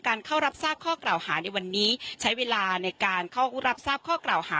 เข้ารับทราบข้อกล่าวหาในวันนี้ใช้เวลาในการเข้ารับทราบข้อกล่าวหา